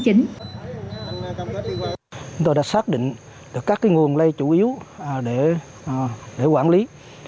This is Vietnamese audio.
chúng tôi đã xác định được các nguồn lây chủ yếu để quản lý